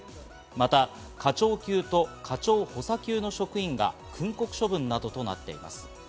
また課長級と課長補佐級の職員が訓告処分などとなっています。